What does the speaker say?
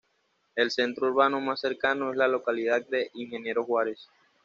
El centro urbano más cercano es la localidad de Ingeniero Juárez.